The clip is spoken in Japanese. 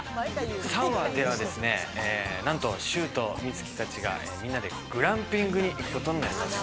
３話ではですね、なんと柊と美月たちがみんなでグランピングに行くことになります。